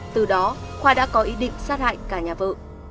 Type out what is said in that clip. từ đó khoa đã có ý định sát hại cả nhà vợ